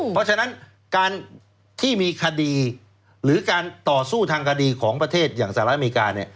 เพราะฉะนั้นการที่มีคดีหรือการต่อสู้ทางคดีของประเทศอย่างสหรัฐอเมริกาเนี่ย